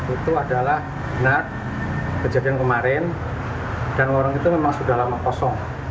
itu adalah benar kejadian kemarin dan warung itu memang sudah lama kosong